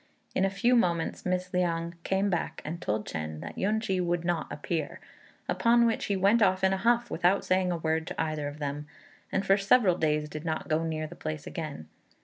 In a few moments Miss Liang came back and told Chên that Yün ch'i would not appear; upon which he went off in a huff, without saying a word to either of them, and for several days did not go near the place again.